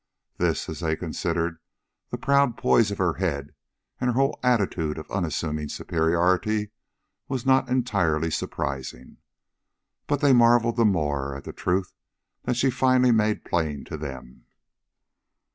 This, as they considered the proud poise of her head and her whole attitude of unassuming superiority was not entirely surprising. But they marveled the more at the truth that she finally made plain to them.